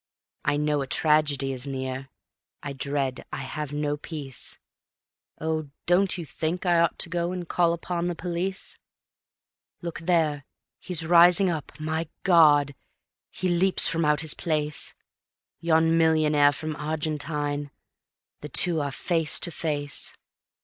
I know a tragedy is near. I dread, I have no peace ... Oh, don't you think I ought to go and call upon the police? Look there ... he's rising up ... my God! He leaps from out his place ... Yon millionaire from Argentine ... the two are face to face